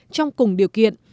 trong cùng điều kiện